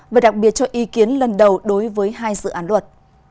và đặc biệt cho ý kiến lần đầu đối với hai dự án luật